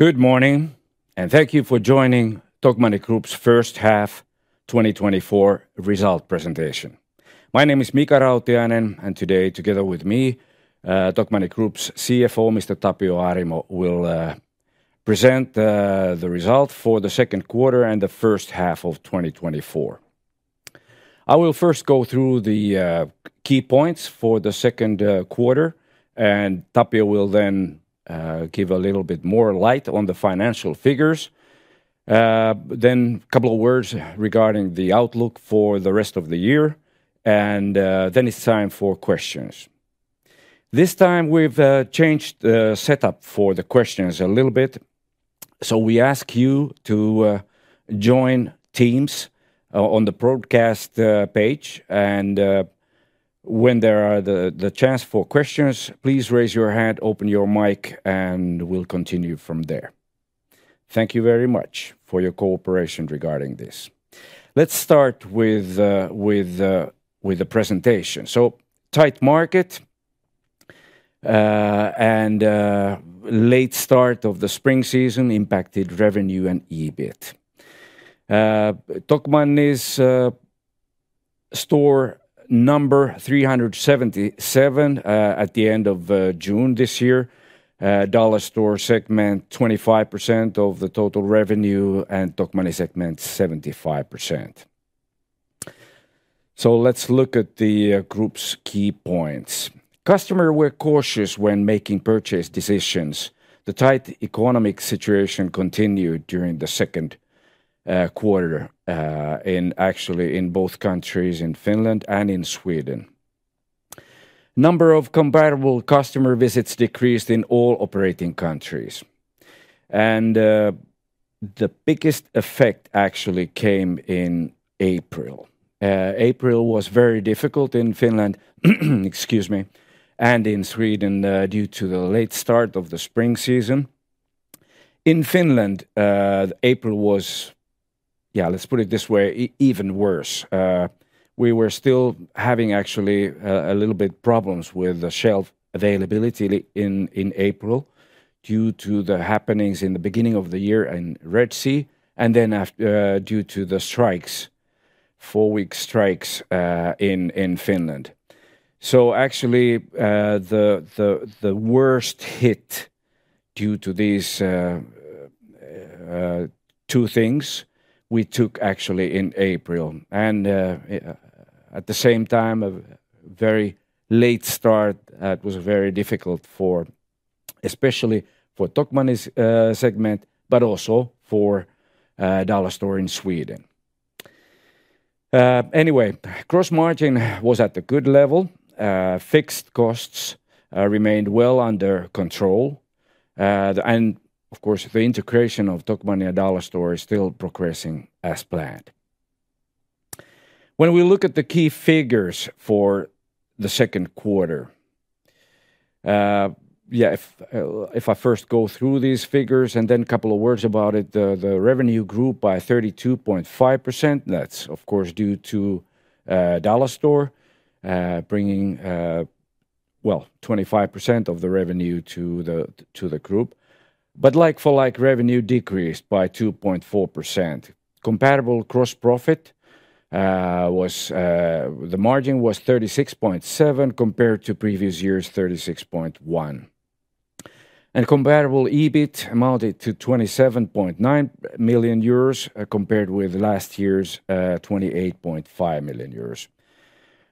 Good morning, and thank you for joining Tokmanni Group's first half of 2024 result presentation. My name is Mika Rautiainen, and today, together with me, Tokmanni Group's CFO, Mr. Tapio Arimo, will present the result for the second quarter and the first half of 2024. I will first go through the key points for the second quarter, and Tapio will then give a little bit more light on the financial figures. Then a couple of words regarding the outlook for the rest of the year, and then it's time for questions. This time, we've changed the setup for the questions a little bit, so we ask you to join Teams on the broadcast page. And, when there is the chance for questions, please raise your hand, open your mic, and we'll continue from there. Thank you very much for your cooperation regarding this. Let's start with the presentation. So tight market and late start of the spring season impacted revenue and EBIT. Tokmanni's store number 377 at the end of June this year. Dollarstore segment, 25% of the total revenue, and Tokmanni segment, 75%. So let's look at the group's key points. Customers were cautious when making purchase decisions. The tight economic situation continued during the second quarter, actually in both countries, in Finland and in Sweden. Number of comparable customer visits decreased in all operating countries, and the biggest effect actually came in April. April was very difficult in Finland, excuse me, and in Sweden due to the late start of the spring season. In Finland, April was... Yeah, let's put it this way, even worse. We were still having actually a little bit problems with the shelf availability in April due to the happenings in the beginning of the year in Red Sea, and then due to the strikes, four-week strikes, in Finland. So actually, the worst hit due to these two things we took actually in April. And at the same time, a very late start was very difficult for, especially for Tokmanni's segment, but also for Dollarstore in Sweden. Anyway, gross margin was at a good level. Fixed costs remained well under control. And of course, the integration of Tokmanni and Dollarstore is still progressing as planned. When we look at the key figures for the second quarter, yeah, if I first go through these figures and then a couple of words about it, the revenue grew by 32.5%. That's of course due to Dollarstore bringing well 25% of the revenue to the group. But like-for-like revenue decreased by 2.4%. Comparable gross margin was 36.7%, compared to previous year's 36.1%. And comparable EBIT amounted to 27.9 million euros, compared with last year's 28.5 million euros,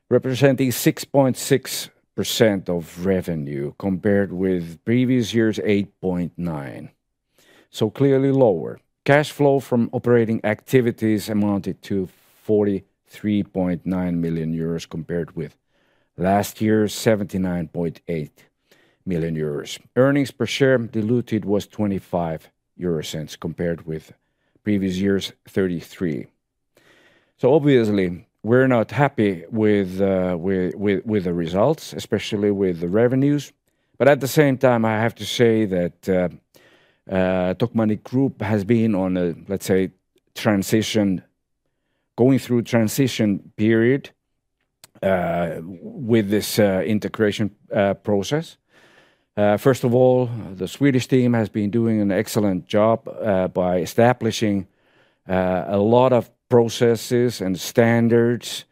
representing 6.6% of revenue, compared with previous year's 8.9%, so clearly lower. Cash flow from operating activities amounted to 43.9 million euros, compared with last year's 79.8 million euros. Earnings per share diluted was 0.25, compared with previous year's 0.33. So obviously, we're not happy with the results, especially with the revenues. But at the same time, I have to say that Tokmanni Group has been on a, let's say, transition, going through transition period with this integration process. First of all, the Swedish team has been doing an excellent job by establishing a lot of processes and standards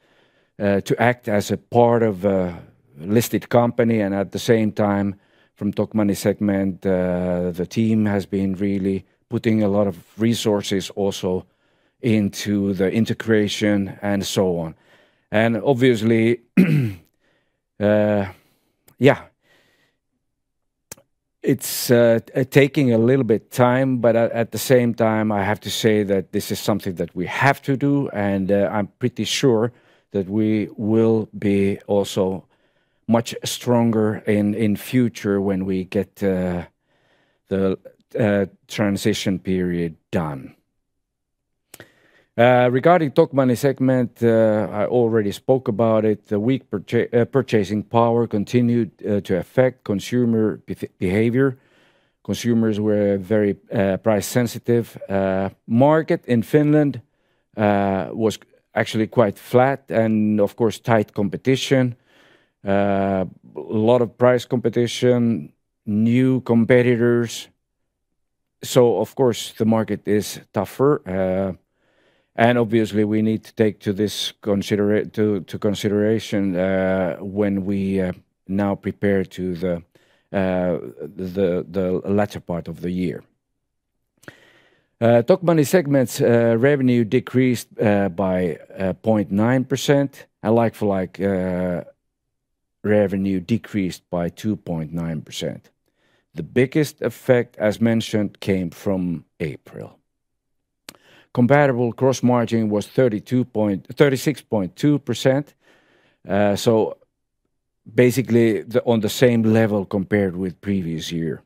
to act as a part of a listed company. And at the same time, from Tokmanni segment, the team has been really putting a lot of resources also into the integration and so on. And obviously, yeah, it's taking a little bit time, but at the same time, I have to say that this is something that we have to do, and I'm pretty sure that we will be also much stronger in future when we get the transition period done. Regarding Tokmanni segment, I already spoke about it. The weak purchasing power continued to affect consumer behavior. Consumers were very price sensitive. Market in Finland was actually quite flat and, of course, tight competition. Lot of price competition, new competitors. So of course, the market is tougher, and obviously we need to take this into consideration when we now prepare to the latter part of the year. Tokmanni segments revenue decreased by 0.9%, and like-for-like revenue decreased by 2.9%. The biggest effect, as mentioned, came from April. Comparable gross margin was 36.2%, so basically on the same level compared with previous year.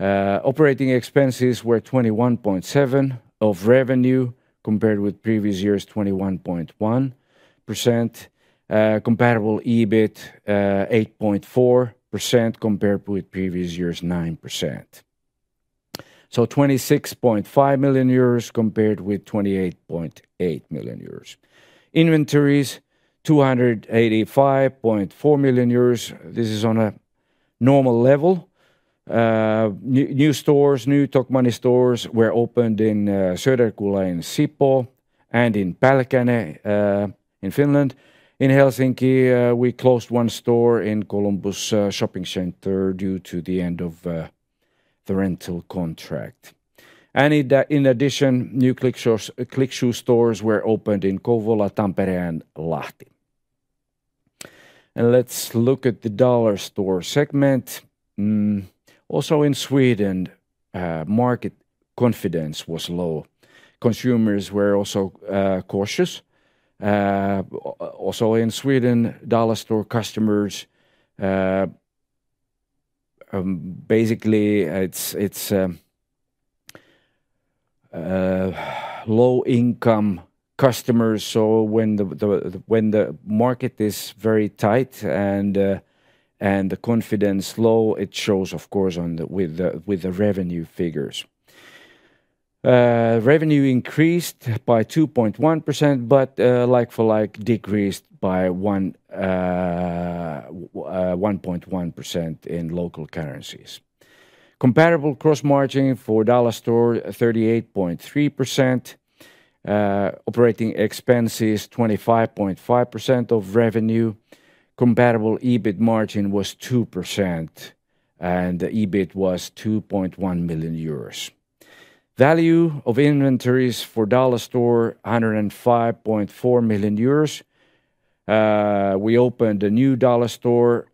Operating expenses were 21.7% of revenue, compared with previous year's 21.1%. Comparable EBIT 8.4% compared with previous year's 9%. So 26.5 million euros compared with 28.8 million euros. Inventories, 285.4 million euros. This is on a normal level. New Tokmanni stores were opened in Söderkulla and Sipoo and in Pälkäne, in Finland. In Helsinki, we closed one store in Columbus Shopping Center due to the end of the rental contract. In addition, new Click Shoes stores were opened in Kouvola, Tampere, and Lahti. Let's look at the Dollarstore segment. Also in Sweden, market confidence was low. Consumers were also cautious. Also in Sweden, Dollarstore customers basically it's low-income customers, so when the market is very tight and the confidence low, it shows, of course, on the revenue figures. Revenue increased by 2.1%, but like-for-like decreased by 1.1% in local currencies. Comparable gross margin for Dollarstore, 38.3%. Operating expenses, 25.5% of revenue. Comparable EBIT margin was 2%, and the EBIT was 2.1 million euros. Value of inventories for Dollarstore, 105.4 million euros. We opened a new Dollarstore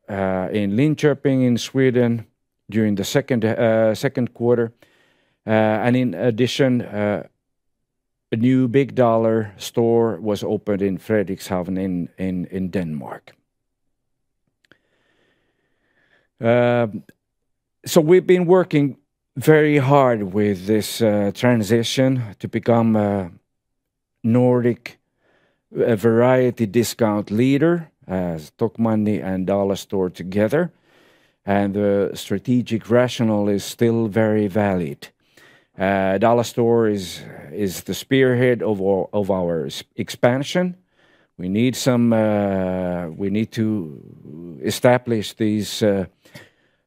in Linköping in Sweden during the second quarter. And in addition, a new Big Dollar store was opened in Frederikshavn in Denmark. So we've been working very hard with this transition to become a Nordic variety discount leader, Tokmanni and Dollarstore together, and the strategic rationale is still very valid. Dollarstore is the spearhead of our expansion. We need to establish these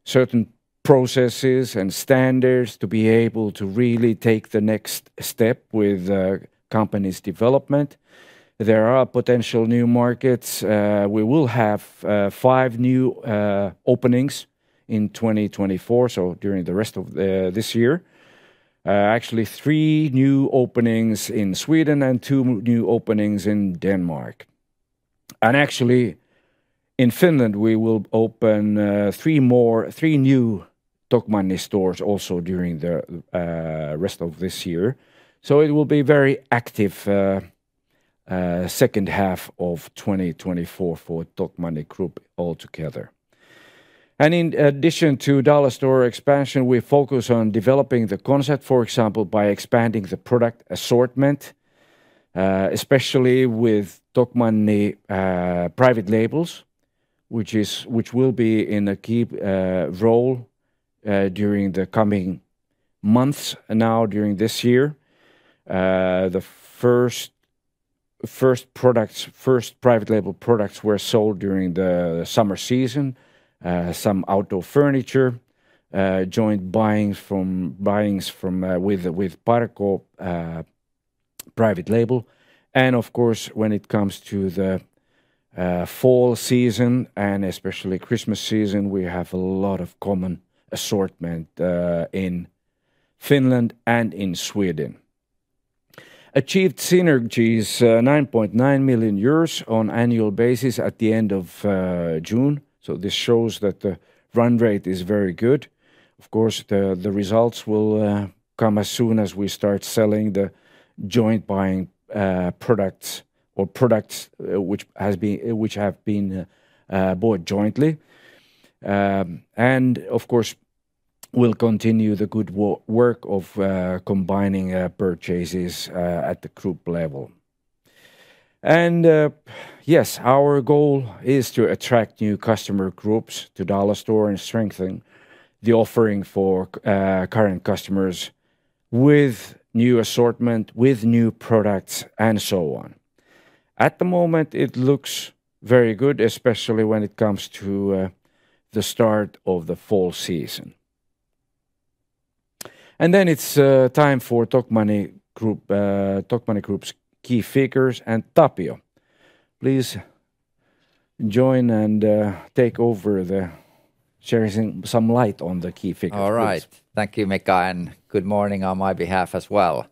certain processes and standards to be able to really take the next step with company's development. There are potential new markets. We will have 5 new openings in 2024, so during the rest of this year. Actually, 3 new openings in Sweden and 2 new openings in Denmark. And actually, in Finland, we will open 3 more, 3 new Tokmanni stores also during the rest of this year. So it will be very active second half of 2024 for Tokmanni Group altogether. And in addition to Dollarstore expansion, we focus on developing the concept, for example, by expanding the product assortment, especially with Tokmanni private labels, which is... which will be in a key role during the coming months, now during this year. The first private label products were sold during the summer season, some outdoor furniture, joint buying with Parco private label. And of course, when it comes to the fall season, and especially Christmas season, we have a lot of common assortment in Finland and in Sweden. Achieved synergies 9.9 million euros on annual basis at the end of June, so this shows that the run rate is very good. Of course, the results will come as soon as we start selling the joint buying products or products which have been bought jointly. And of course, we'll continue the good work of combining purchases at the group level. Yes, our goal is to attract new customer groups to Dollarstore and strengthen the offering for current customers with new assortment, with new products, and so on. At the moment, it looks very good, especially when it comes to the start of the fall season. Then it's time for Tokmanni Group, Tokmanni Group's key figures. Tapio, please join and take over, shedding some light on the key figures, please. All right. Thank you, Mika, and good morning on my behalf as well.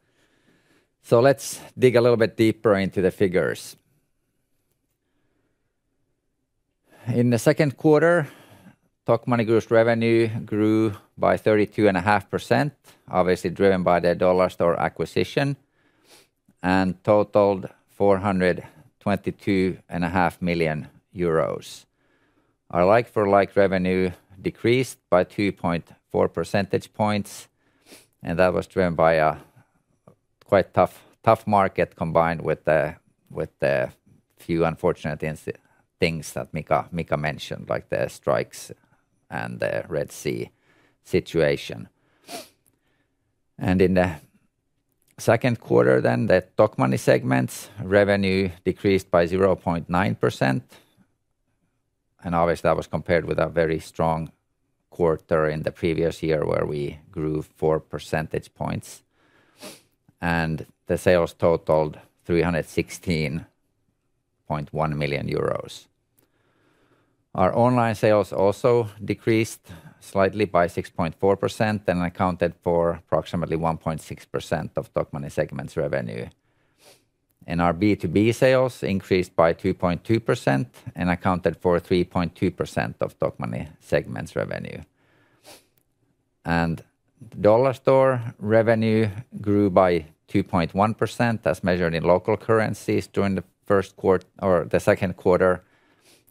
So let's dig a little bit deeper into the figures. In the second quarter, Tokmanni Group's revenue grew by 32.5%, obviously driven by the Dollarstore acquisition, and totaled 422.5 million euros. Our like-for-like revenue decreased by 2.4 percentage points, and that was driven by a quite tough market, combined with the few unfortunate things that Mika mentioned, like the strikes and the Red Sea situation. In the second quarter then, the Tokmanni segment's revenue decreased by 0.9%, and obviously that was compared with a very strong quarter in the previous year, where we grew 4 percentage points. The sales totaled 316.1 million euros. Our online sales also decreased slightly by 6.4%, and accounted for approximately 1.6% of Tokmanni segment's revenue. Our B2B sales increased by 2.2% and accounted for 3.2% of Tokmanni segment's revenue. Dollarstore revenue grew by 2.1%, as measured in local currencies during the second quarter,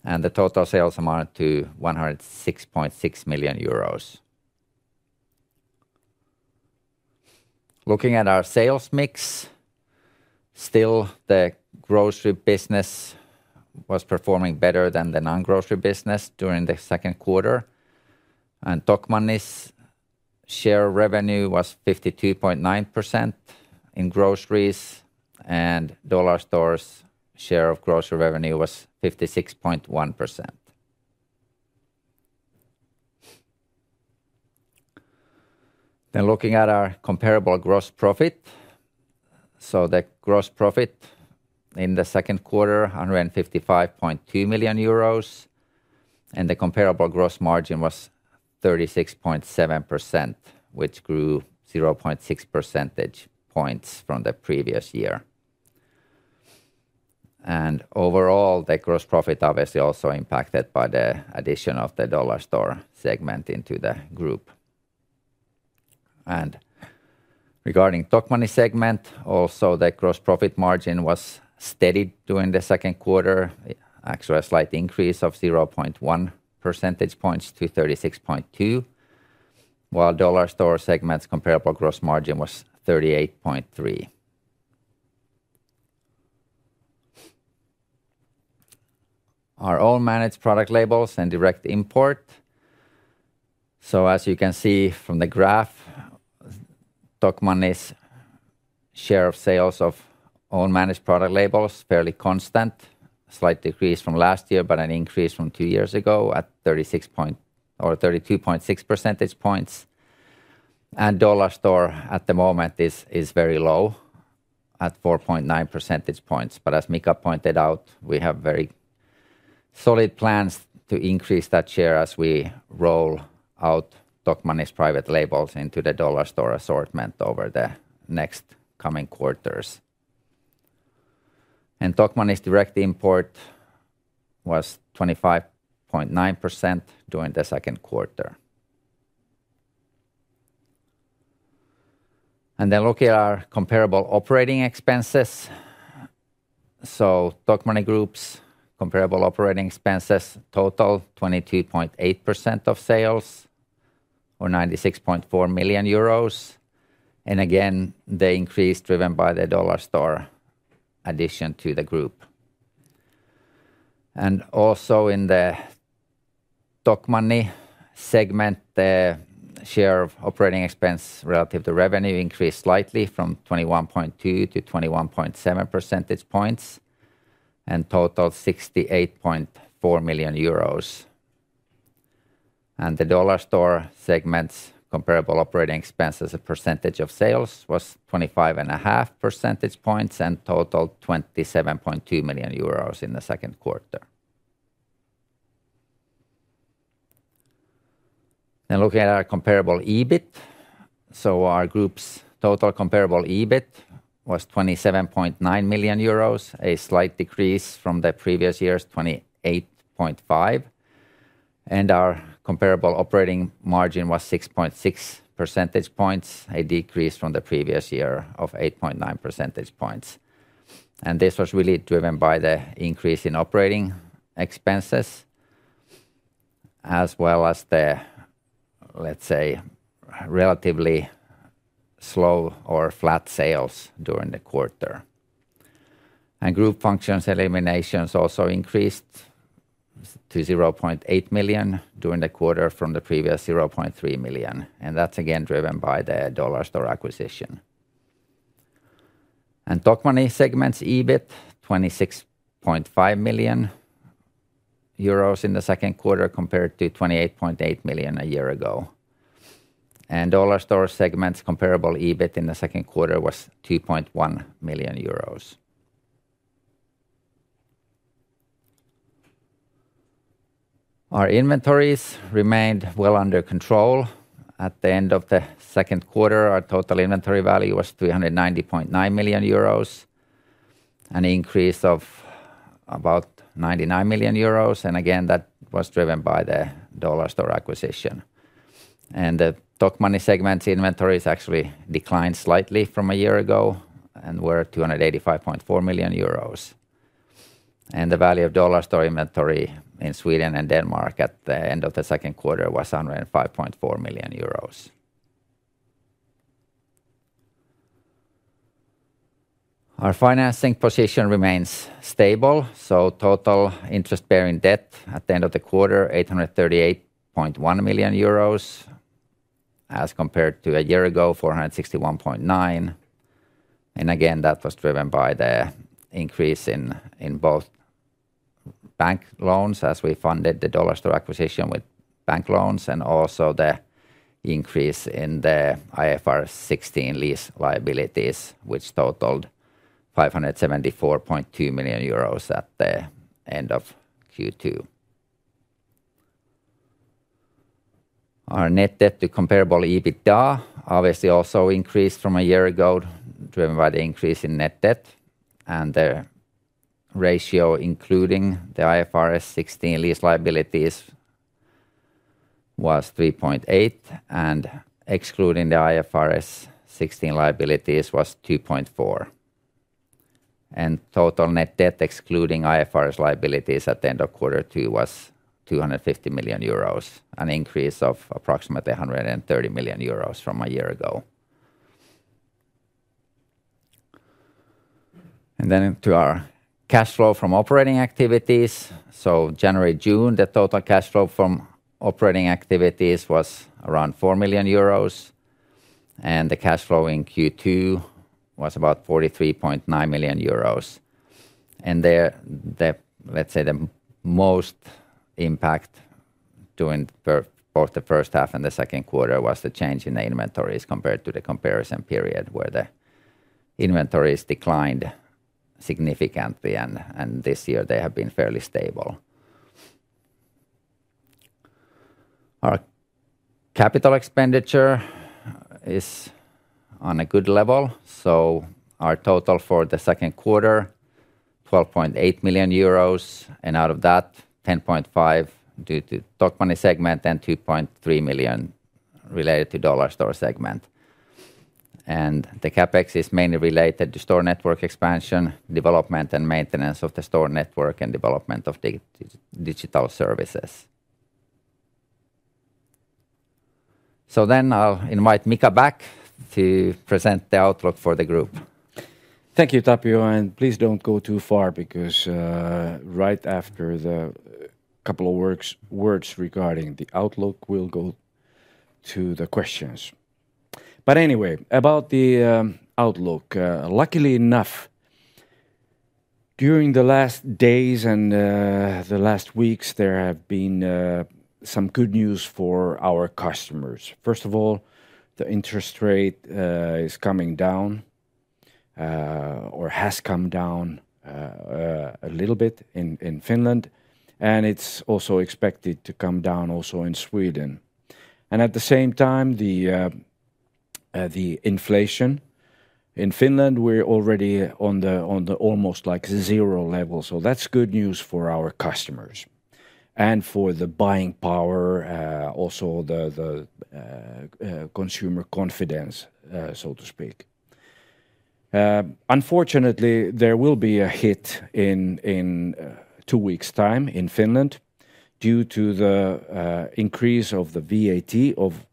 and the total sales amounted to 106.6 million euros. Looking at our sales mix, still the grocery business was performing better than the non-grocery business during the second quarter. Tokmanni's share of revenue was 52.9% in groceries, and Dollarstore's share of grocery revenue was 56.1%. Then looking at our comparable gross profit, so the gross profit in the second quarter, 155.2 million euros, and the comparable gross margin was 36.7%, which grew 0.6 percentage points from the previous year. And overall, the gross profit obviously also impacted by the addition of the Dollarstore segment into the group. And regarding Tokmanni segment, also the gross profit margin was steady during the second quarter. Actually, a slight increase of 0.1 percentage points to 36.2%, while Dollarstore segment's comparable gross margin was 38.3%. Our own managed product labels and direct import. So as you can see from the graph, Tokmanni's share of sales of own managed product labels, fairly constant. A slight decrease from last year, but an increase from two years ago at 36 point... or 32.6 percentage points. And Dollarstore, at the moment, is very low, at 4.9 percentage points. But as Mika pointed out, we have very solid plans to increase that share as we roll out Tokmanni's private labels into the Dollarstore assortment over the next coming quarters. And Tokmanni's direct import was 25.9% during the second quarter. And then looking at our comparable operating expenses, so Tokmanni Group's comparable operating expenses total 22.8% of sales, or 96.4 million euros. And again, the increase driven by the Dollarstore addition to the group. And also in the Tokmanni segment, the share of operating expense relative to revenue increased slightly from 21.2 to 21.7 percentage points, and totaled 68.4 million euros. The Dollarstore segment's comparable operating expense as a percentage of sales was 25.5 percentage points, and totaled 27.2 million euros in the second quarter. Looking at our comparable EBIT, so our group's total comparable EBIT was 27.9 million euros, a slight decrease from the previous year's 28.5 million. And our comparable operating margin was 6.6 percentage points, a decrease from the previous year of 8.9 percentage points. And this was really driven by the increase in operating expenses, as well as the, let's say, relatively slow or flat sales during the quarter. And group functions eliminations also increased to 0.8 million during the quarter from the previous 0.3 million, and that's again driven by the Dollarstore acquisition. Tokmanni segment's EBIT, 26.5 million euros in the second quarter compared to 28.8 million a year ago. Dollarstore segment's comparable EBIT in the second quarter was 2.1 million euros. Our inventories remained well under control. At the end of the second quarter, our total inventory value was 390.9 million euros, an increase of about 99 million euros, and again, that was driven by the Dollarstore acquisition. The Tokmanni segment's inventories actually declined slightly from a year ago and were at 285.4 million euros. The value of Dollarstore inventory in Sweden and Denmark at the end of the second quarter was 105.4 million euros. Our financing position remains stable, so total interest-bearing debt at the end of the quarter, 838.1 million euros, as compared to a year ago, 461.9 million. And again, that was driven by the increase in both bank loans, as we funded the Dollarstore acquisition with bank loans, and also the increase in the IFRS 16 lease liabilities, which totaled 574.2 million euros at the end of Q2. Our net debt to comparable EBITDA obviously also increased from a year ago, driven by the increase in net debt, and the ratio, including the IFRS 16 lease liabilities, was 3.8, and excluding the IFRS 16 liabilities was 2.4. Total net debt, excluding IFRS liabilities at the end of quarter two was 250 million euros, an increase of approximately 130 million euros from a year ago. Then to our cash flow from operating activities. So January, June, the total cash flow from operating activities was around 4 million euros, and the cash flow in Q2 was about 43.9 million euros. And there, let's say, the most impact during both the first half and the second quarter was the change in the inventories compared to the comparison period, where the inventories declined significantly, and, and this year they have been fairly stable. Our capital expenditure is on a good level, so our total for the second quarter, 12.8 million euros, and out of that, 10.5 due to Tokmanni segment and 2.3 million related to Dollarstore segment. The CapEx is mainly related to store network expansion, development and maintenance of the store network, and development of digital services. Then I'll invite Mika back to present the outlook for the group. Thank you, Tapio, and please don't go too far because right after the couple of words regarding the outlook, we'll go to the questions. But anyway, about the outlook, luckily enough, during the last days and the last weeks, there have been some good news for our customers. First of all, the interest rate is coming down or has come down a little bit in Finland, and it's also expected to come down also in Sweden. And at the same time, the inflation in Finland, we're already on the almost like zero level, so that's good news for our customers and for the buying power, also the consumer confidence, so to speak. Unfortunately, there will be a hit in 2 weeks' time in Finland due to the increase of the VAT of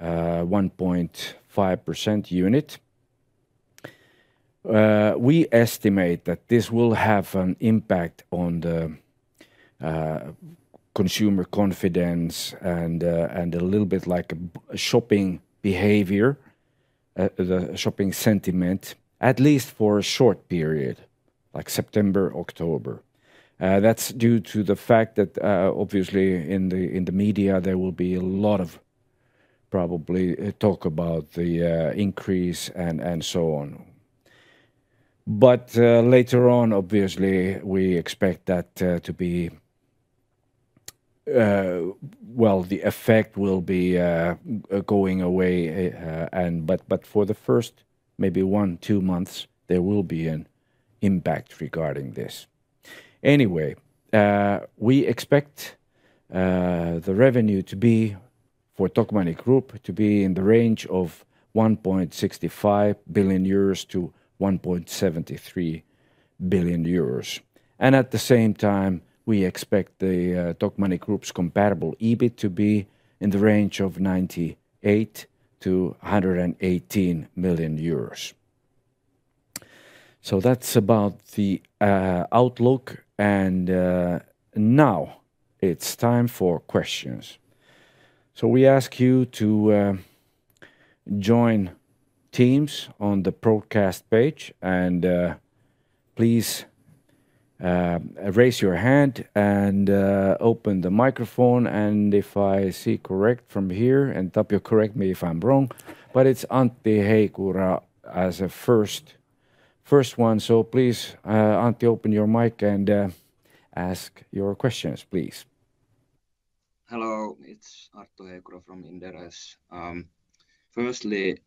1.5 percentage points. We estimate that this will have an impact on the consumer confidence and a little bit like shopping behavior, the shopping sentiment, at least for a short period, like September, October. That's due to the fact that, obviously in the media, there will be a lot of probably talk about the increase and so on. But later on, obviously, we expect that to be... Well, the effect will be going away, but for the first, maybe 1-2 months, there will be an impact regarding this. Anyway, we expect the revenue to be... for Tokmanni Group to be in the range of 1.65 billion-1.73 billion euros. And at the same time, we expect the Tokmanni Group's comparable EBIT to be in the range of 98 million-118 million euros. So that's about the outlook, and now it's time for questions. So we ask you to join Teams on the broadcast page, and please raise your hand and open the microphone. And if I see correct from here, and Tapio, correct me if I'm wrong, but it's Arttu Heikura as a first, first one. So please Arttu, open your mic and ask your questions please. Hello, it's Arttu Heikura from Inderes. Firstly,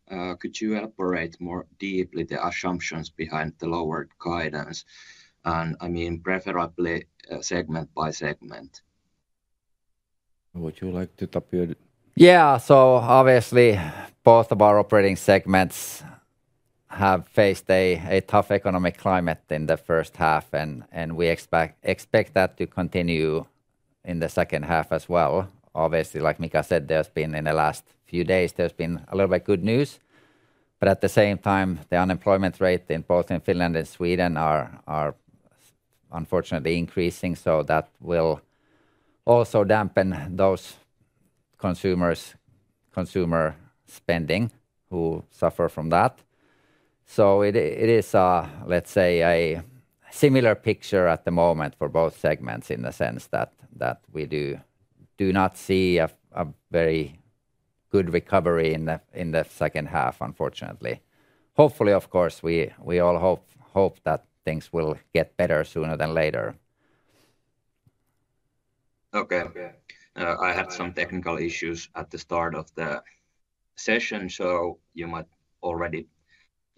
could you elaborate more deeply the assumptions behind the lowered guidance? I mean, preferably, segment by segment. Would you like to, Tapio? Yeah, so obviously both of our operating segments have faced a tough economic climate in the first half, and we expect that to continue in the second half as well. Obviously, like Mika said, in the last few days, there's been a little bit good news, but at the same time, the unemployment rate in both Finland and Sweden are unfortunately increasing, so that will also dampen those consumers' consumer spending who suffer from that. So it is, let's say, a similar picture at the moment for both segments in the sense that we do not see a very good recovery in the second half, unfortunately. Hopefully, of course, we all hope that things will get better sooner than later. Okay. Okay. I had some technical issues at the start of the session, so you might already,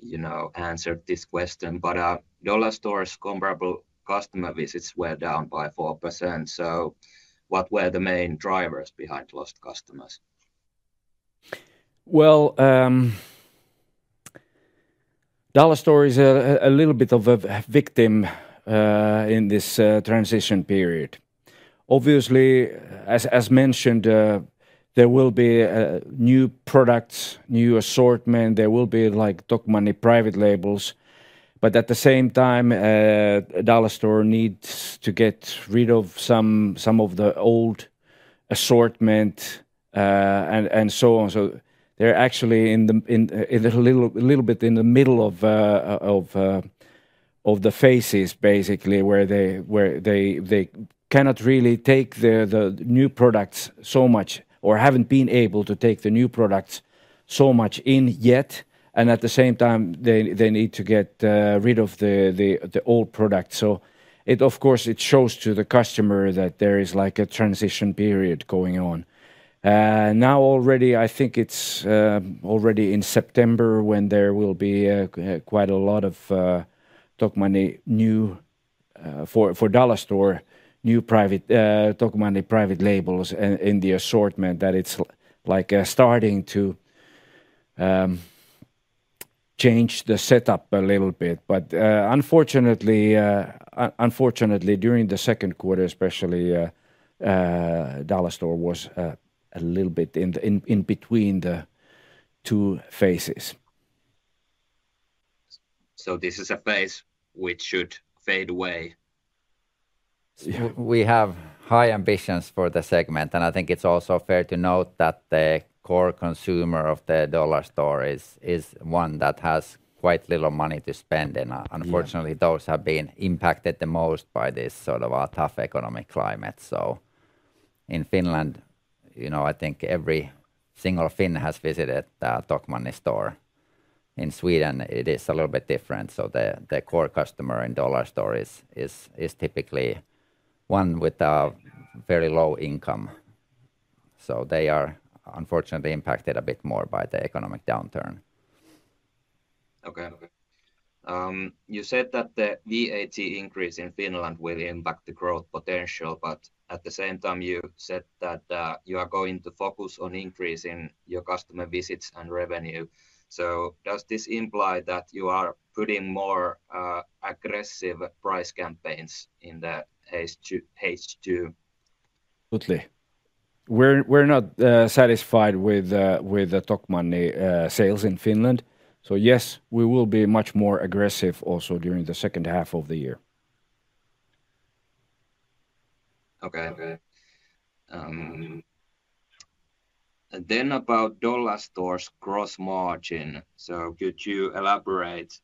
you know, answered this question, but, Dollarstore's comparable customer visits were down by 4%, so what were the main drivers behind lost customers? Well, Dollarstore is a little bit of a victim in this transition period. Obviously, as mentioned, there will be new products, new assortment. There will be, like, Tokmanni private labels, but at the same time, Dollarstore needs to get rid of some of the old assortment and so on. So they're actually in a little bit in the middle of the phases, basically, where they cannot really take the new products so much or haven't been able to take the new products so much in yet, and at the same time, they need to get rid of the old product. So of course it shows to the customer that there is, like, a transition period going on. Now already I think it's already in September when there will be quite a lot of Tokmanni new for Dollarstore new private Tokmanni private labels in the assortment, that it's like starting to change the setup a little bit. But unfortunately during the second quarter especially Dollarstore was a little bit in between the two phases. So this is a phase which should fade away? Yeah. We have high ambitions for the segment, and I think it's also fair to note that the core consumer of the Dollarstore is one that has quite little money to spend. And Yeah... unfortunately, those have been impacted the most by this sort of a tough economic climate. So in Finland, you know, I think every single Finn has visited a Tokmanni store. In Sweden, it is a little bit different, so the core customer in Dollarstore is typically one with a very low income. So they are unfortunately impacted a bit more by the economic downturn. Okay. You said that the VAT increase in Finland will impact the growth potential, but at the same time you said that you are going to focus on increasing your customer visits and revenue. So does this imply that you are putting more aggressive price campaigns in the H2? Absolutely. We're not satisfied with the Tokmanni sales in Finland, so yes, we will be much more aggressive also during the second half of the year. Okay. And then about Dollarstore's gross margin, so could you elaborate,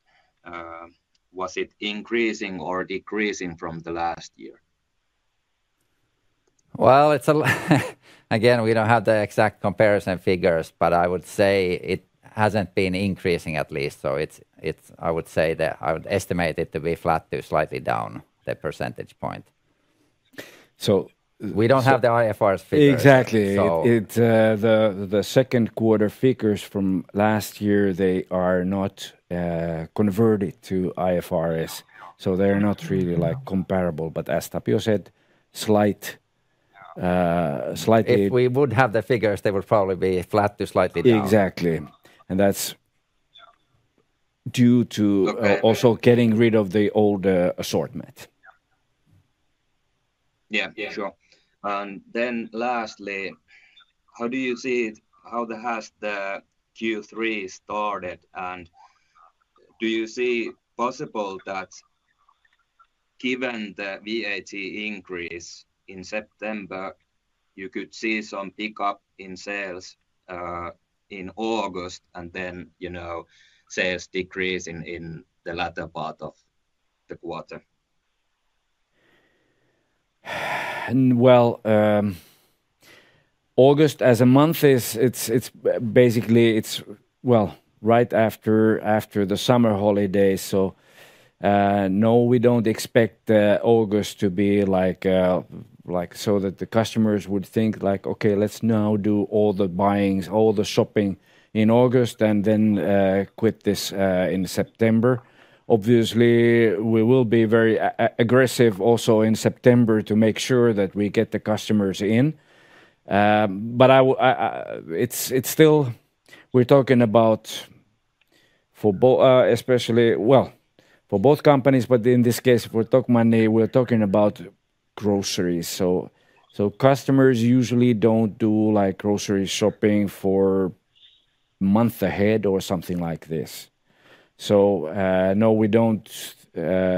was it increasing or decreasing from the last year? Well, it's a... Again, we don't have the exact comparison figures, but I would say it hasn't been increasing at least. So it's... I would estimate it to be flat to slightly down the percentage point. So- We don't have the IFRS figures- Exactly... so- It, the second quarter figures from last year, they are not converted to IFRS, so they're not really, like, comparable. But as Tapio said, slight, slightly- If we would have the figures, they would probably be flat to slightly down. Exactly. And that's due to. Okay - also getting rid of the old assortment. Yeah. Yeah, sure. And then lastly, how do you see how the Q3 has started? And do you see possible that given the VAT increase in September, you could see some pickup in sales in August, and then, you know, sales decrease in the latter part of the quarter? Well, August as a month is it's, it's basically, it's... Well, right after, after the summer holidays, so, no, we don't expect, August to be like, like so that the customers would think like, "Okay, let's now do all the buyings, all the shopping in August, and then, quit this, in September." Obviously, we will be very aggressive also in September to make sure that we get the customers in. But I... It's, it's still we're talking about for both, especially, well, for both companies, but in this case, for Tokmanni, we're talking about groceries. So, customers usually don't do, like, grocery shopping for month ahead or something like this. So, no, we don't,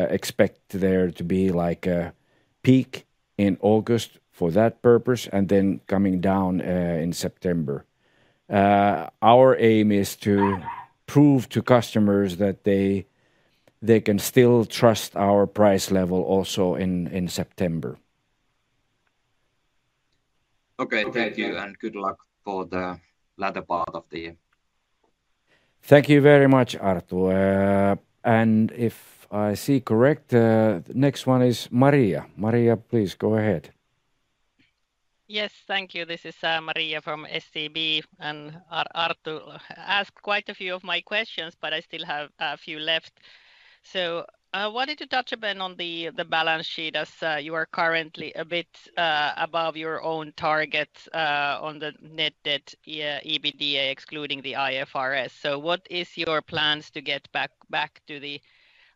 expect there to be like a peak in August for that purpose, and then coming down, in September. Our aim is to prove to customers that they can still trust our price level also in September. Okay. Okay. Thank you, and good luck for the latter part of the year. Thank you very much, Arttu. If I see correct, the next one is Maria. Maria, please go ahead. Yes, thank you. This is Maria from SEB, and Arttu asked quite a few of my questions, but I still have a few left. So, I wanted to touch a bit on the balance sheet as you are currently a bit above your own targets on the net debt, yeah, EBITDA, excluding the IFRS. So what is your plans to get back to the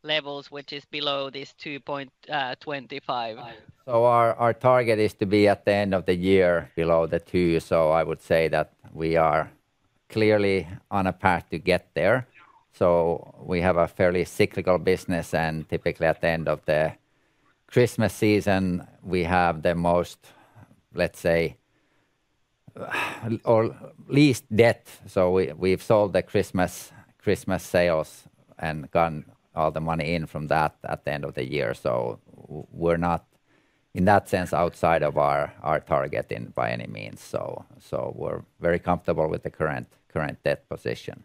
levels which is below this 2.25? So our target is to be at the end of the year below the 2, so I would say that we are clearly on a path to get there. So we have a fairly cyclical business, and typically at the end of the Christmas season, we have the most, let's say, or least debt. So we've sold the Christmas sales and gotten all the money in from that at the end of the year. So we're not, in that sense, outside of our target in by any means. So we're very comfortable with the current debt position.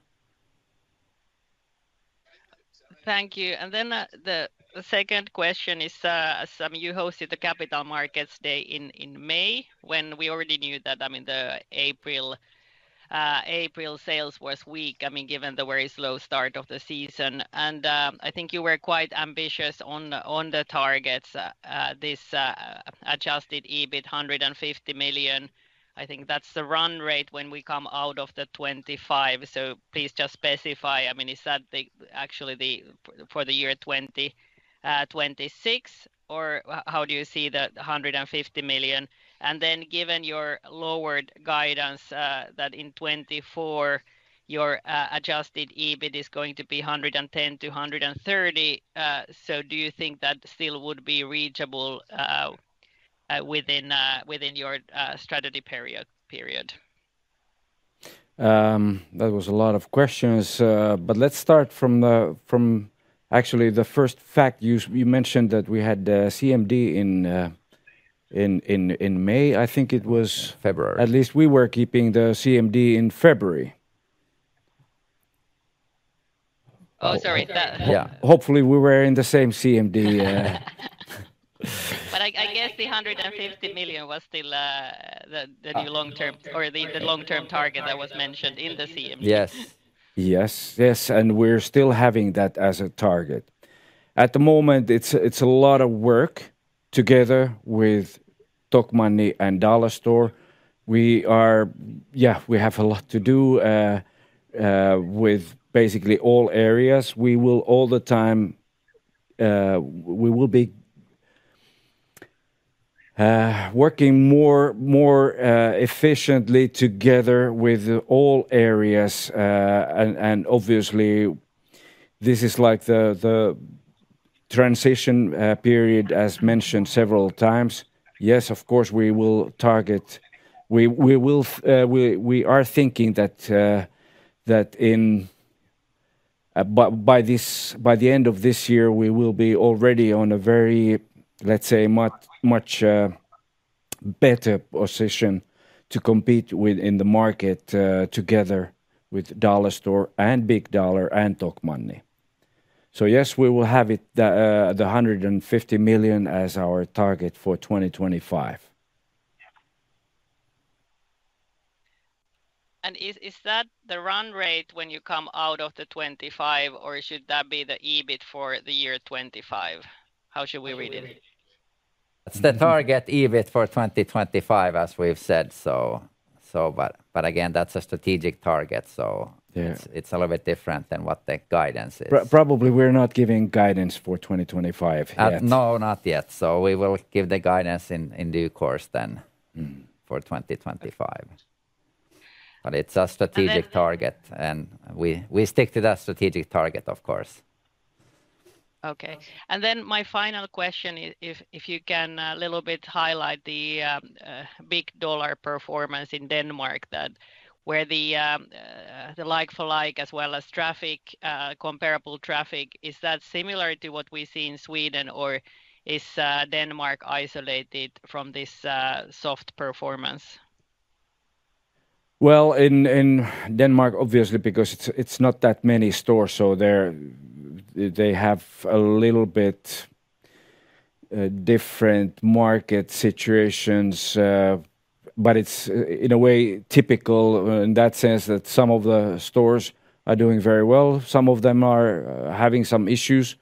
Thank you. Then, the second question is, I mean, you hosted the Capital Markets Day in May, when we already knew that, I mean, the April sales was weak, I mean, given the very slow start of the season. I think you were quite ambitious on the targets, adjusted EBIT 150 million. I think that's the run rate when we come out of 2025. So please just specify, I mean, is that actually the p- for the year 2026, or how do you see the 150 million? Then, given your lowered guidance that in 2024 your adjusted EBIT is going to be 110-130, so do you think that still would be reachable within your strategy period? That was a lot of questions, but let's start from actually the first fact. You mentioned that we had the CMD in May. I think it was- February... At least we were keeping the CMD in February. Oh, sorry, that- Yeah. Hopefully, we were in the same CMD. But I guess the 150 million was still the new long term or the long-term target that was mentioned in the CMD. Yes. Yes, yes, and we're still having that as a target. At the moment, it's a lot of work together with Tokmanni and Dollar Store. Yeah, we have a lot to do with basically all areas. We will all the time, we will be working more, more efficiently together with all areas. And obviously, this is like the transition period, as mentioned several times. Yes, of course, we will. We are thinking that in by the end of this year, we will be already on a very, let's say, much better position to compete with in the market together with Dollar Store and Big Dollar and Tokmanni. Yes, we will have it, the 150 million as our target for 2025. Is that the run rate when you come out of 2025, or should that be the EBIT for the year 2025? How should we read it? ... That's the target EBIT for 2025, as we've said, so, but again, that's a strategic target, so- Yeah... it's a little bit different than what the guidance is. Probably we're not giving guidance for 2025 yet. No, not yet. So we will give the guidance in due course then- Mm... for 2025. But it's a strategic- And then-... target, and we stick to that strategic target, of course. Okay. And then my final question is if you can a little bit highlight the Big Dollar performance in Denmark that where the like-for-like as well as traffic, comparable traffic, is that similar to what we see in Sweden or is Denmark isolated from this soft performance? Well, in Denmark, obviously, because it's not that many stores, so they have a little bit different market situations, but it's in a way typical, in that sense, that some of the stores are doing very well. Some of them are having some issues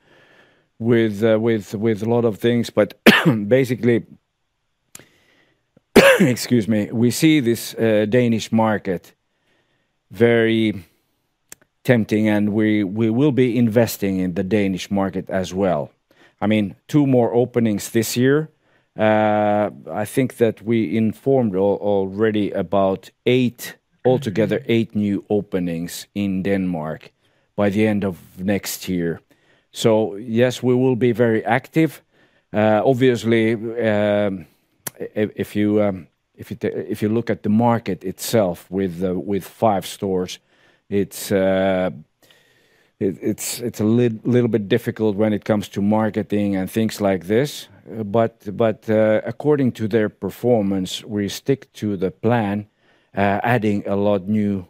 with with a lot of things. But basically, excuse me, we see this Danish market very tempting, and we will be investing in the Danish market as well. I mean, 2 more openings this year. I think that we informed already about 8, altogether, 8 new openings in Denmark by the end of next year. So yes, we will be very active. Obviously, if you look at the market itself with five stores, it's a little bit difficult when it comes to marketing and things like this. But according to their performance, we stick to the plan, adding a lot new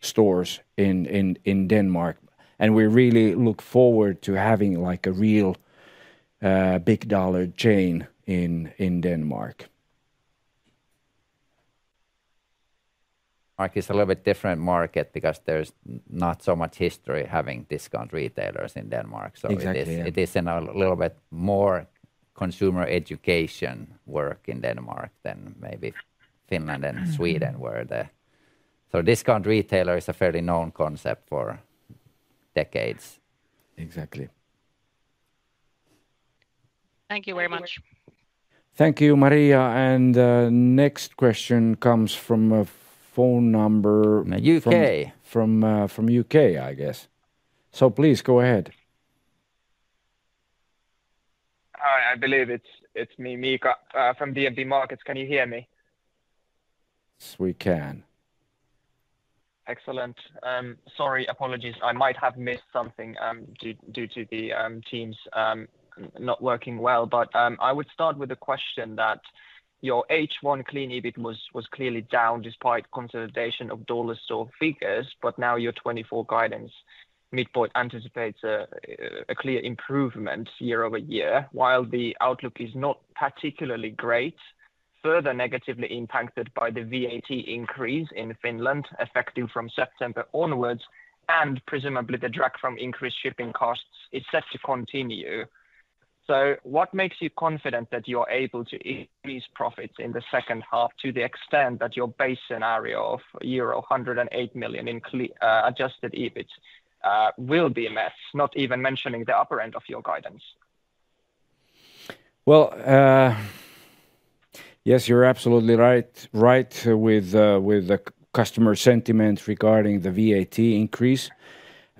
stores in Denmark. And we really look forward to having like a real Big Dollar chain in Denmark. Like, it's a little bit different market because there's not so much history having discount retailers in Denmark, so- Exactly, yeah... it is a little bit more consumer education work in Denmark than maybe Finland and Sweden, where the discount retailer is a fairly known concept for decades. Exactly. Thank you very much. Thank you, Maria. Next question comes from a phone number- UK... from U.K., I guess. So please go ahead. Hi, I believe it's me, Mika, from BNP Markets. Can you hear me? Yes, we can. Excellent. Sorry, apologies. I might have missed something, due to the Teams not working well. But I would start with the question that your H1 clean EBIT was clearly down despite consolidation of Dollarstore figures, but now your 2024 guidance midpoint anticipates a clear improvement year-over-year, while the outlook is not particularly great, further negatively impacted by the VAT increase in Finland, effective from September onwards, and presumably the drag from increased shipping costs is set to continue. So what makes you confident that you're able to increase profits in the second half to the extent that your base scenario of euro 108 million in adjusted EBIT will be met, not even mentioning the upper end of your guidance? Well, yes, you're absolutely right, right, with the customer sentiment regarding the VAT increase.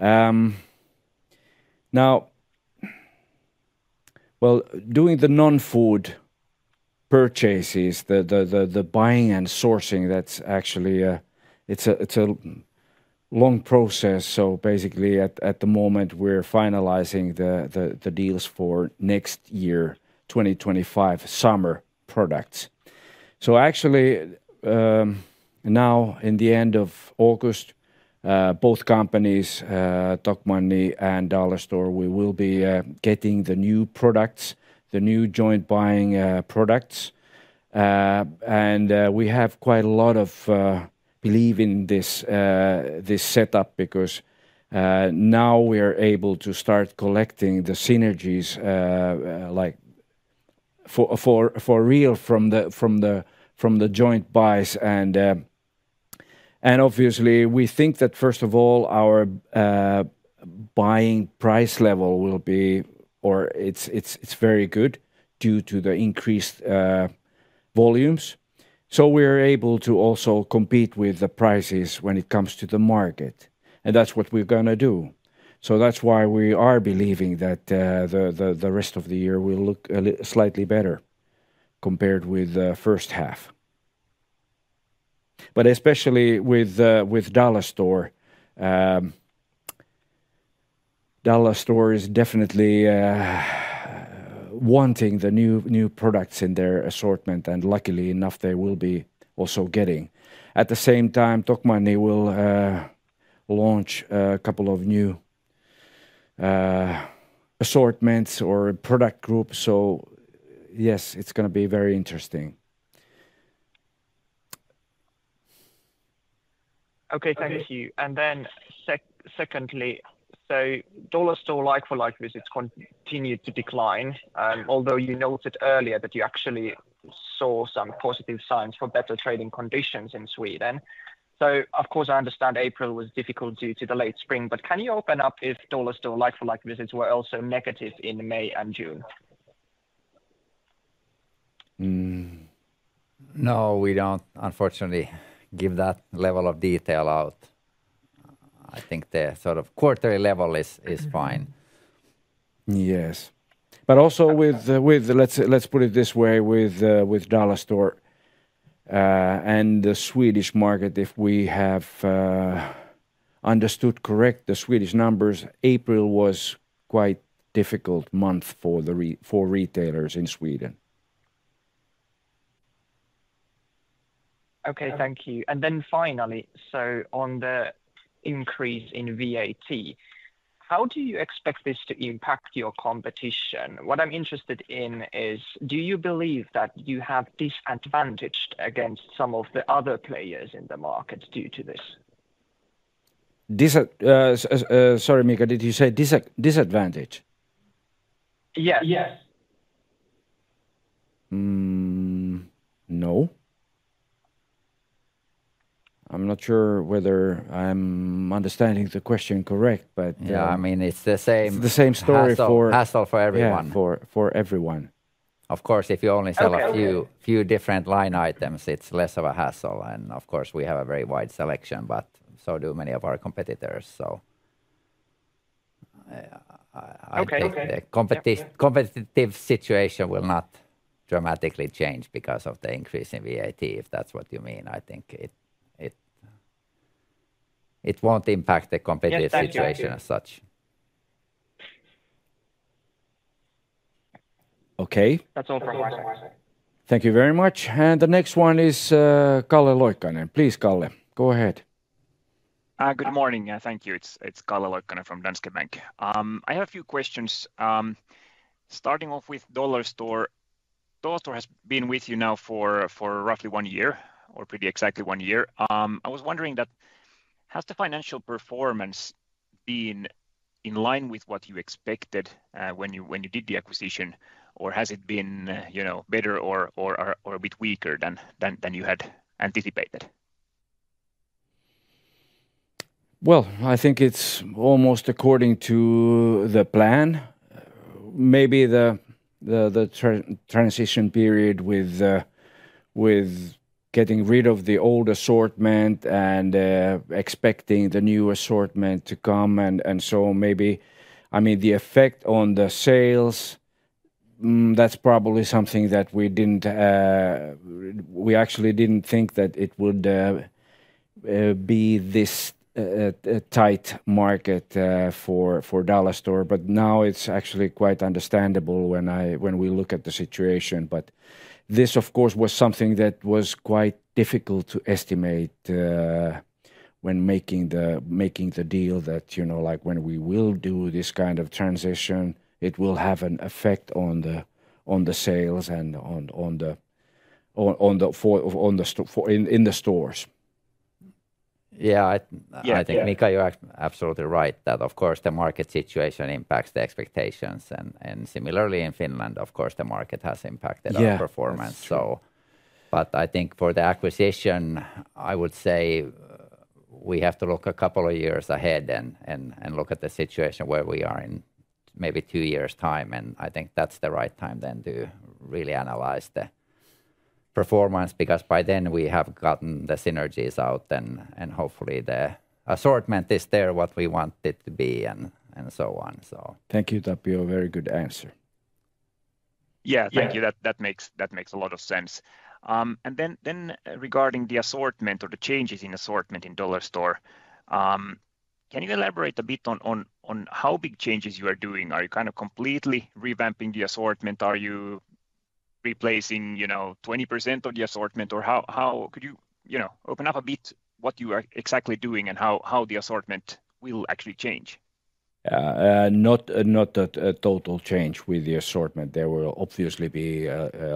Now, well, doing the non-food purchases, the buying and sourcing, that's actually a... It's a long process, so basically at the moment, we're finalizing the deals for next year, 2025 summer products. So actually, now in the end of August, both companies, Tokmanni and Dollarstore, we will be getting the new products, the new joint buying products. And we have quite a lot of believe in this setup because now we are able to start collecting the synergies like for real from the joint buys. And obviously, we think that, first of all, our buying price level will be... or it's very good due to the increased volumes. So we're able to also compete with the prices when it comes to the market, and that's what we're gonna do. So that's why we are believing that the rest of the year will look slightly better compared with the first half. But especially with Dollarstore, Dollarstore is definitely wanting the new products in their assortment, and luckily enough, they will be also getting. At the same time, Tokmanni will launch a couple of new assortments or product groups. So yes, it's gonna be very interesting. ... Okay, thank you. And then secondly, so Dollar Store like-for-like visits continued to decline, although you noted earlier that you actually saw some positive signs for better trading conditions in Sweden. So of course, I understand April was difficult due to the late spring, but can you open up if Dollar Store like-for-like visits were also negative in May and June? No, we don't, unfortunately, give that level of detail out. I think the sort of quarterly level is fine. Yes. But also with Dollarstore and the Swedish market, if we have understood correct the Swedish numbers, April was quite difficult month for retailers in Sweden. Okay, thank you. And then finally, so on the increase in VAT, how do you expect this to impact your competition? What I'm interested in is: do you believe that you have disadvantaged against some of the other players in the market due to this? Sorry, Mika, did you say disadvantage? Yeah. Yes. No. I'm not sure whether I'm understanding the question correct, but- Yeah, I mean, it's the same- It's the same story for- hassle, hassle for everyone. Yeah, for everyone. Of course, if you only sell- Okay, okay... a few different line items, it's less of a hassle. And of course, we have a very wide selection, but so do many of our competitors, so, I- Okay. Okay... I think the competitive situation will not dramatically change because of the increase in VAT, if that's what you mean. I think it won't impact the competitive- Yeah, thank you.... situation as such. Okay. That's all from my side. Thank you very much. The next one is, Kalle Loikkanen. Please, Kalle, go ahead. Good morning, and thank you. It's Kalle Loikkanen from Danske Bank. I have a few questions. Starting off with Dollar Store. Dollar Store has been with you now for roughly one year, or pretty exactly one year. I was wondering that, has the financial performance been in line with what you expected, when you did the acquisition? Or has it been, you know, better or a bit weaker than you had anticipated? Well, I think it's almost according to the plan. Maybe the transition period with getting rid of the old assortment and expecting the new assortment to come, and so maybe... I mean, the effect on the sales, that's probably something that we didn't, we actually didn't think that it would be this tight market for Dollarstore. But now it's actually quite understandable when we look at the situation. But this, of course, was something that was quite difficult to estimate when making the deal that, you know, like, when we will do this kind of transition, it will have an effect on the sales and on the stores. Yeah, I- Yeah... I think, Mika, you're absolutely right, that of course, the market situation impacts the expectations. And similarly, in Finland, of course, the market has impacted- Yeah... our performance, so. But I think for the acquisition, I would say we have to look a couple of years ahead and look at the situation where we are in maybe two years' time. And I think that's the right time then to really analyze the performance, because by then we have gotten the synergies out, and hopefully the assortment is there, what we want it to be, and so on, so. Thank you. That's a very good answer. Yeah. Yeah. Thank you. That makes a lot of sense. And then regarding the assortment or the changes in assortment in Dollarstore, can you elaborate a bit on how big changes you are doing? Are you kind of completely revamping the assortment? Are you replacing, you know, 20% of the assortment? Or how... Could you, you know, open up a bit what you are exactly doing and how the assortment will actually change? Not a total change with the assortment. There will obviously be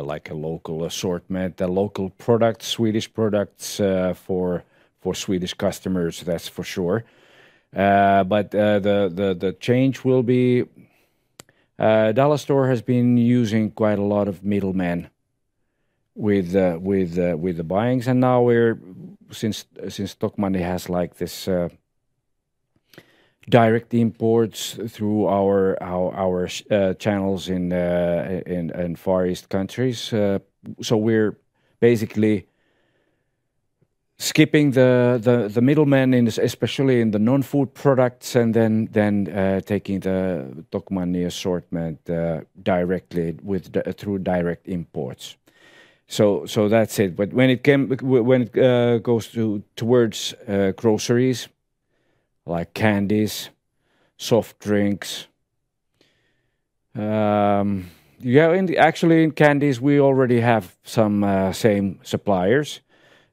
like a local assortment, a local product, Swedish products for Swedish customers, that's for sure. But the change will be... Dollarstore has been using quite a lot of middlemen with the buyings. And now we're, since Tokmanni has like this direct imports through our channels in Far East countries, so we're basically skipping the middlemen especially in the non-food products, and then taking the Tokmanni assortment directly through direct imports. So that's it. But when it goes towards groceries, like candies, soft drinks, yeah, in the... Actually, in candies, we already have some same suppliers,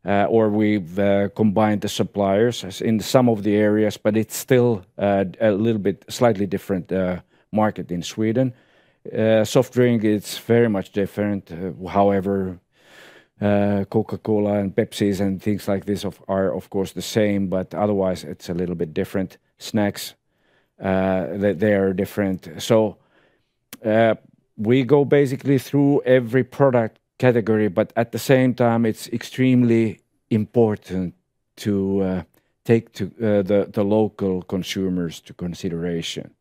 or we've combined the suppliers as in some of the areas, but it's still a little bit slightly different market in Sweden. Soft drink, it's very much different. Coca-Cola and Pepsis and things like this of are of course the same, but otherwise it's a little bit different. Snacks, they are different. So, we go basically through every product category, but at the same time it's extremely important to take to the local consumers to consideration.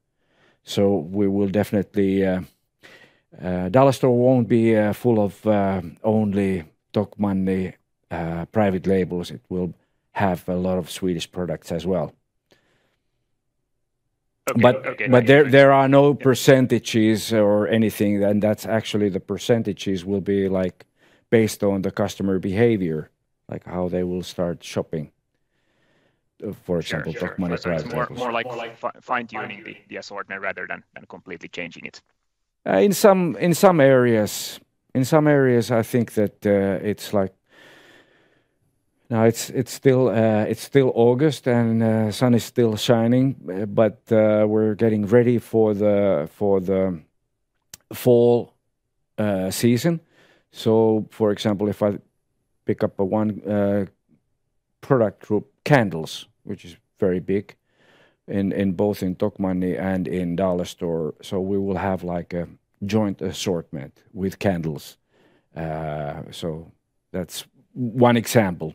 So we will definitely Dollarstore won't be full of only Tokmanni private labels. It will have a lot of Swedish products as well. Okay. Okay, nice. But there are no percentages or anything, and that's actually the percentages will be like based on the customer behavior, like how they will start shopping, for example- Sure, sure... Tokmanni products. More like fine-tuning the assortment rather than completely changing it. In some areas, I think that it's like... Now it's still August and sun is still shining, but we're getting ready for the fall season. So for example, if I pick up one product group, candles, which is very big in both Tokmanni and Dollarstore, so we will have like a joint assortment with candles. So that's one example.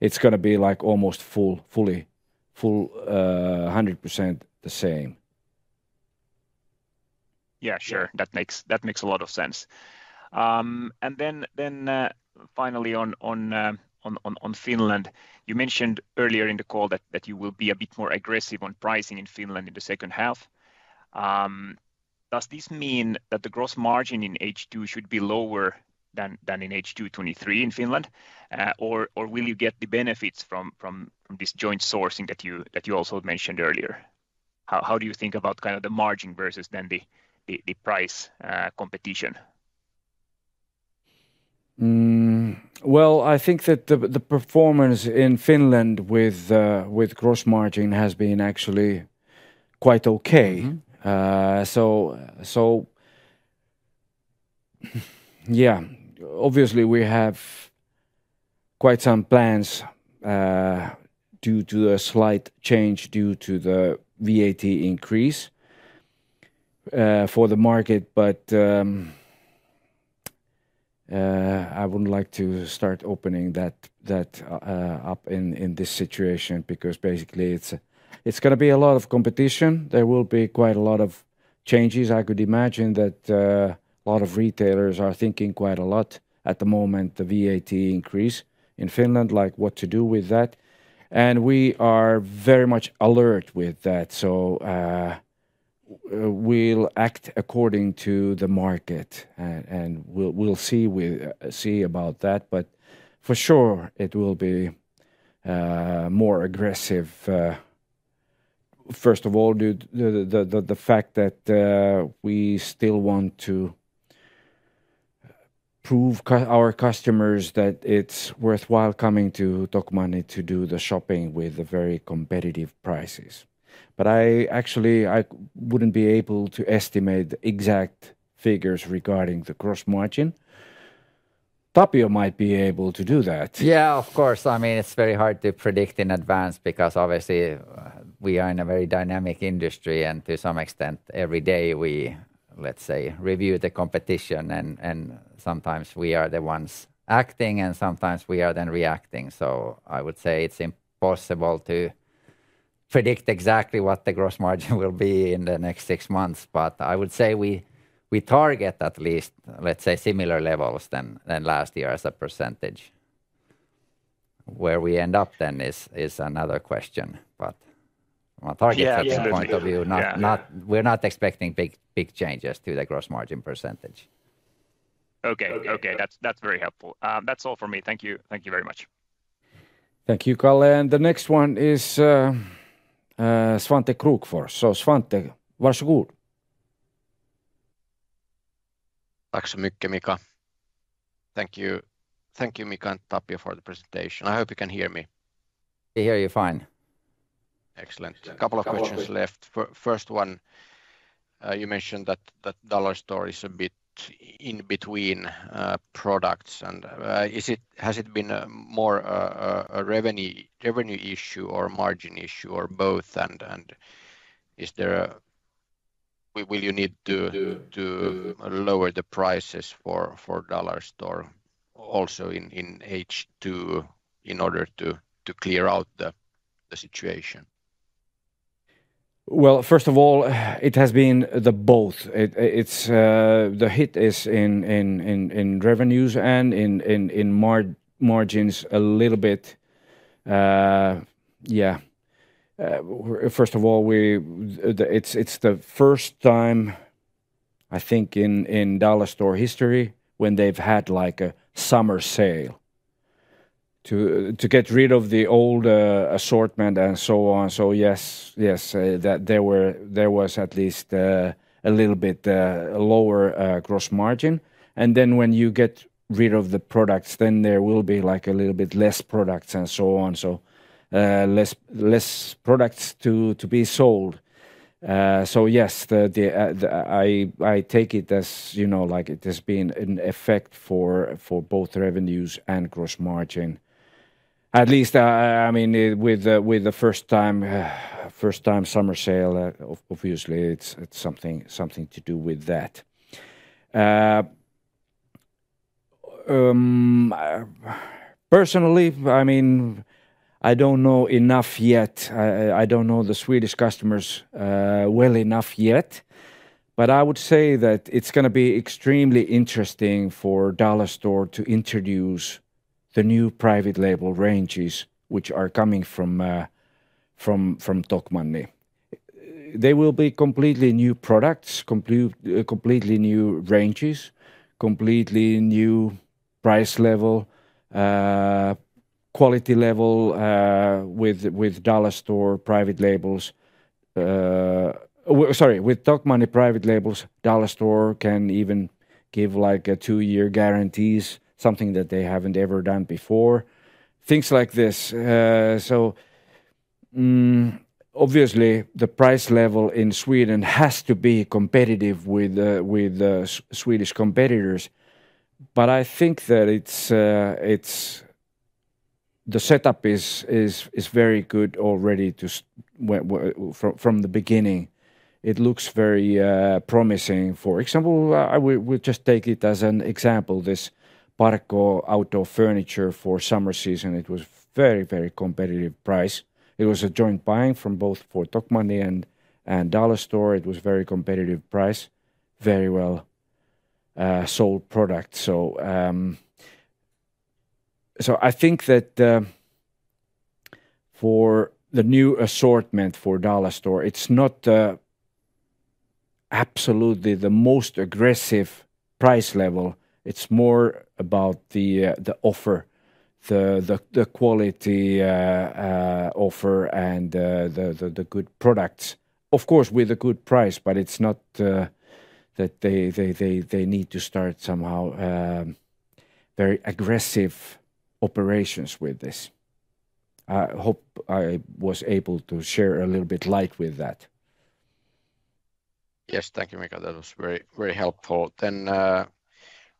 It's gonna be like almost fully 100% the same. Yeah, sure. That makes a lot of sense. And then, finally on Finland. You mentioned earlier in the call that you will be a bit more aggressive on pricing in Finland in the second half. Does this mean that the gross margin in H2 should be lower than in H2 2023 in Finland? Or will you get the benefits from this joint sourcing that you also mentioned earlier? How do you think about kind of the margin versus the price competition? Well, I think that the performance in Finland with gross margin has been actually quite okay. Mm-hmm. So, yeah, obviously we have quite some plans due to a slight change due to the VAT increase for the market. But I wouldn't like to start opening that up in this situation, because basically it's gonna be a lot of competition. There will be quite a lot of changes. I could imagine that a lot of retailers are thinking quite a lot at the moment, the VAT increase in Finland, like what to do with that, and we are very much alert with that. So we'll act according to the market, and we'll see, we... See about that, but for sure it will be more aggressive, first of all, due to the fact that we still want to prove our customers that it's worthwhile coming to Tokmanni to do the shopping with the very competitive prices. But I actually wouldn't be able to estimate the exact figures regarding the gross margin. Tapio might be able to do that. Yeah, of course. I mean, it's very hard to predict in advance because obviously, we are in a very dynamic industry, and to some extent, every day we, let's say, review the competition, and sometimes we are the ones acting, and sometimes we are then reacting. So I would say it's impossible to predict exactly what the gross margin will be in the next six months, but I would say we target at least, let's say, similar levels than last year as a percentage. Where we end up then is another question, but from a target- Yeah... point of view. Yeah... not, we're not expecting big, big changes to the gross margin percentage. Okay. Okay. Okay, that's, that's very helpful. That's all for me. Thank you. Thank you very much. Thank you, Kalle. And the next one is, Svante Krokfors. So Svante,... Thank you, Mika. Thank you. Thank you, Mika and Tapio, for the presentation. I hope you can hear me. We hear you fine. Excellent. Yeah. Couple of questions left. First one, you mentioned that Dollarstore is a bit in between products. And, is it... Has it been more a revenue issue, or a margin issue, or both? And, is there... Will you need to lower the prices for Dollarstore also in H2, in order to clear out the situation? Well, first of all, it has been the both. It, it's, the hit is in, in, in, in revenues and in, in, in margins a little bit. First of all, we, the... It's, it's the first time, I think, in, in Dollarstore history when they've had like a summer sale to, to get rid of the old, assortment and so on. So yes, yes, that there was at least, a little bit, lower, gross margin. And then when you get rid of the products, then there will be like a little bit less products and so on. So, less, less products to, to be sold. So yes, the, the, the, I, I take it as, you know, like it has been an effect for, for both revenues and gross margin. At least, I mean, with the first time summer sale, obviously it's something to do with that. Personally, I mean, I don't know enough yet. I don't know the Swedish customers well enough yet, but I would say that it's gonna be extremely interesting for Dollarstore to introduce the new private label ranges, which are coming from Tokmanni. They will be completely new products, completely new ranges, completely new price level, quality level, with Dollarstore private labels. Sorry, with Tokmanni private labels, Dollarstore can even give, like, a two-year guarantees, something that they haven't ever done before, things like this. So, obviously, the price level in Sweden has to be competitive with Swedish competitors, but I think that it's... The setup is very good already to start with from the beginning. It looks very promising. For example, we'll just take it as an example, this Parco outdoor furniture for summer season. It was very, very competitive price. It was a joint buying from both for Tokmanni and Dollarstore. It was very competitive price, very well sold product. So, I think that for the new assortment for Dollarstore, it's not absolutely the most aggressive price level. It's more about the offer, the quality offer and the good products. Of course, with a good price, but it's not that they need to start somehow very aggressive operations with this. I hope I was able to share a little bit light with that. Yes, thank you, Mika. That was very, very helpful. Then,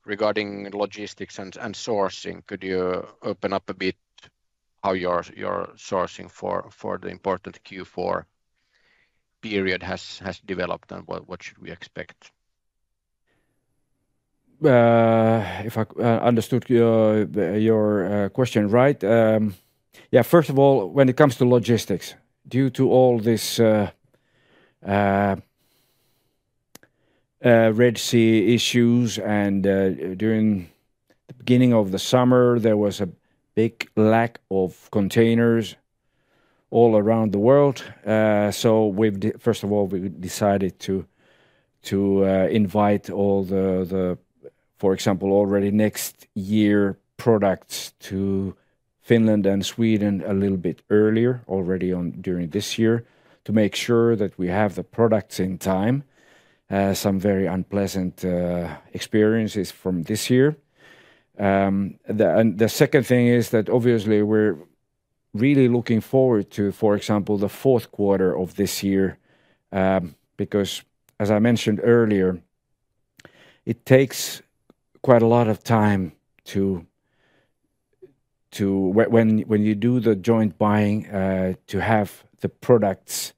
regarding logistics and sourcing, could you open up a bit how your sourcing for the important Q4 period has developed, and what should we expect? If I understood your question right, yeah, first of all, when it comes to logistics, due to all this, Red Sea issues and, during the beginning of the summer, there was a big lack of containers all around the world. So we've first of all, we decided to invite all the, for example, already next year products to Finland and Sweden a little bit earlier, already during this year, to make sure that we have the products in time. Some very unpleasant experiences from this year. And the second thing is that obviously we're really looking forward to, for example, the fourth quarter of this year, because as I mentioned earlier, it takes quite a lot of time to... When you do the joint buying to have the products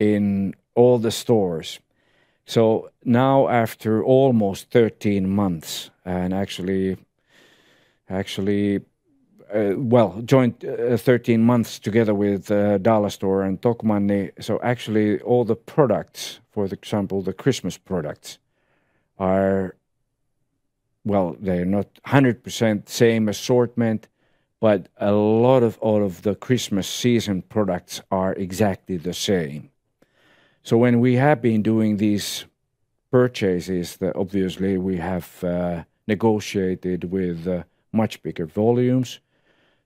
in all the stores. So now after almost 13 months, and actually, well, 13 months together with Dollarstore and Tokmanni, so actually all the products, for example, the Christmas products, are. Well, they're not 100% same assortment, but a lot of all of the Christmas season products are exactly the same. So when we have been doing these purchases, obviously we have negotiated with much bigger volumes,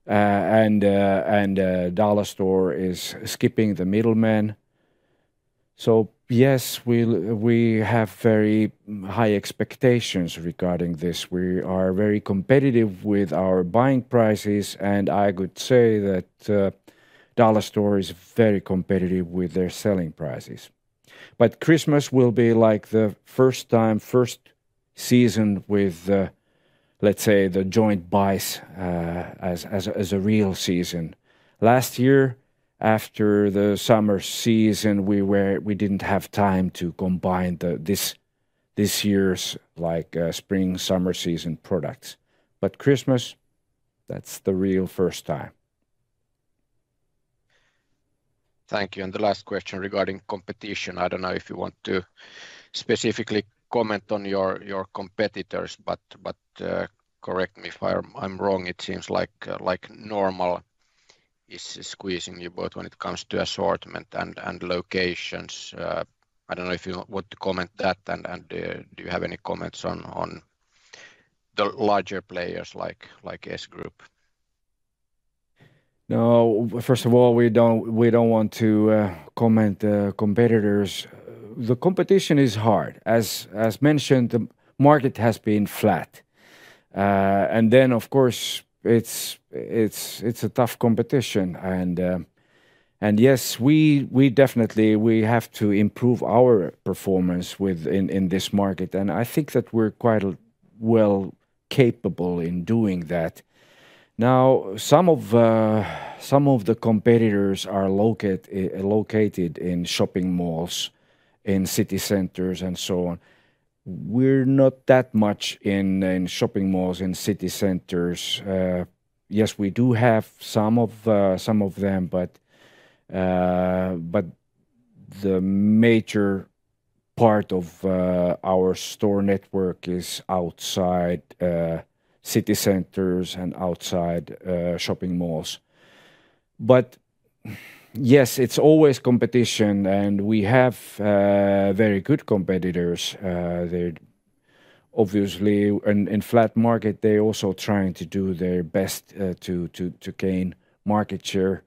and Dollarstore is skipping the middleman. So yes, we have very high expectations regarding this. We are very competitive with our buying prices, and I would say that Dollarstore is very competitive with their selling prices. But Christmas will be like the first time, first season with, let's say, the joint buys, as a real season. Last year, after the summer season, we didn't have time to combine this year's, like, spring, summer season products. But Christmas, that's the real first time. Thank you, and the last question regarding competition. I don't know if you want to specifically comment on your, your competitors, but, but, correct me if I'm, I'm wrong. It seems like, like Normal is squeezing you both when it comes to assortment and, and locations. I don't know if you want to comment that, and, and, do you have any comments on, on the larger players, like, like S Group? No, first of all, we don't, we don't want to comment competitors. The competition is hard. As mentioned, the market has been flat. And then, of course, it's a tough competition, and, and yes, we definitely, we have to improve our performance with... in this market, and I think that we're quite well capable in doing that. Now, some of some of the competitors are located in shopping malls, in city centers, and so on. We're not that much in shopping malls, in city centers. Yes, we do have some of some of them, but, but the major part of our store network is outside city centers and outside shopping malls. But yes, it's always competition, and we have very good competitors. They're obviously, in flat market, they're also trying to do their best, to gain market share.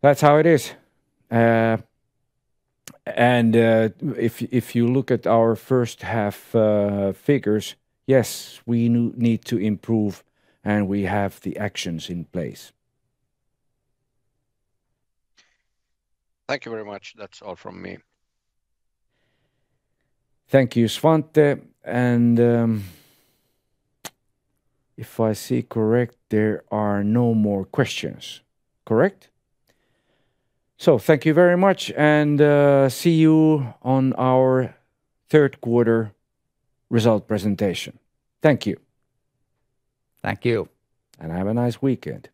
That's how it is. And, if you look at our first half, figures, yes, we need to improve, and we have the actions in place. Thank you very much. That's all from me. Thank you, Svante, and if I see correct, there are no more questions. Correct? So thank you very much, and see you on our third quarter result presentation. Thank you. Thank you. Have a nice weekend.